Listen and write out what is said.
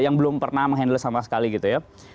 yang belum pernah menghandle sama sekali gitu ya